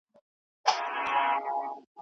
خیال په اشعارو کې یو خورا اړین عنصر دی.